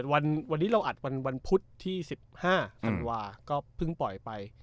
วันนี้เราอัดวันพุธที่๑๕ธันวาก็เพิ่งปล่อยไป